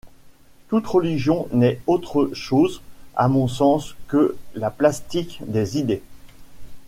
Toute religion n'est autre chose, à mon sens, que la plastique des idées.